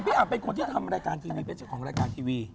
อับเป็นคนที่จะทำรายการทีนึงเป็นเจ้าของรายการทีวี